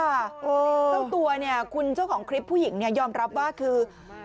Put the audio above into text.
เจ้าตัวเนี่ยคุณเจ้าของคลิปผู้หญิงเนี่ยยอมรับว่าคือ